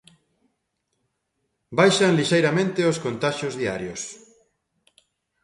Baixan lixeiramente os contaxios diarios.